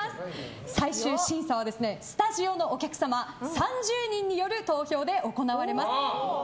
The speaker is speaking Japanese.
最終審査はスタジオのお客様３０人による投票で行われます。